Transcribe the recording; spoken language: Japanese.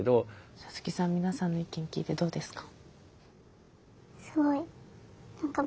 サツキさん皆さんの意見を聞いてどうですか？